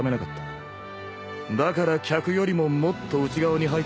だから客よりももっと内側に入ってもらったわけだ。